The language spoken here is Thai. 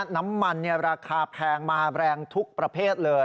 น้ำมันราคาแพงมาแรงทุกประเภทเลย